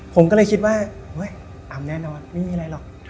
ผมก็เลยคิดว่าเฮ้ยอำแน่นอนไม่มีอะไรหรอก